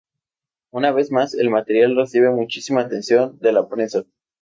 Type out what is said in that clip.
Una vez más, el material recibe muchísima atención de la prensa.